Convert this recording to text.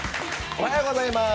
おはようございます。